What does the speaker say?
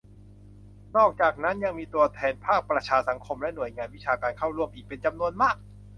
นอกจากนั้นก็ยังมีตัวแทนภาคประชาสังคม และ หน่วยงานวิชาการเข้าร่วมอีกเป็นจำนวนมาก